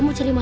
beau di luar